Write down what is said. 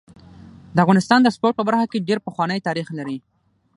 د افغانستان د سپورټ په برخه کي ډير پخوانی تاریخ لري.